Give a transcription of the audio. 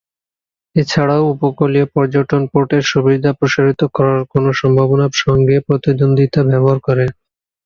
এছাড়াও, উপকূলীয় পর্যটন পোর্টের সুবিধা প্রসারিত করার কোন সম্ভাবনা সঙ্গে প্রতিদ্বন্দ্বিতা ব্যবহার করে।